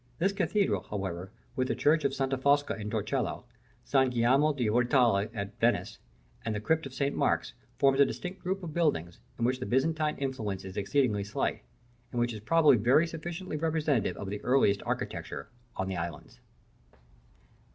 This cathedral, however, with the church of Santa Fosca at Torcello, San Giacomo di Rialto at Venice, and the crypt of St. Mark's, forms a distinct group of buildings, in which the Byzantine influence is exceedingly slight; and which is probably very sufficiently representative of the earliest architecture on the islands.